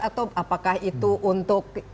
atau apakah itu untuk